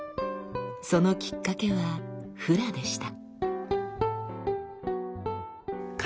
そのきっかけはフラでした。